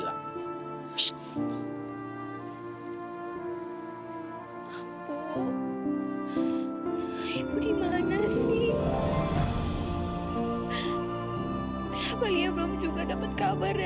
lain ini ini udah muncul